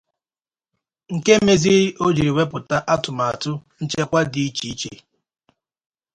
nke mezịrị o jiri wepụta atụmatụ nchekwa dị iche iche